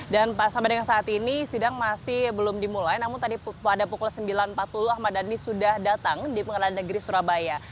dan sampai dengan saat ini sidang masih belum dimulai namun tadi pada pukul sembilan empat puluh ahmad dhani sudah datang di pengadilan negeri surabaya